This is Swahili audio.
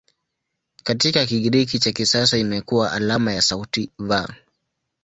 Katika Kigiriki cha kisasa imekuwa alama ya sauti "V".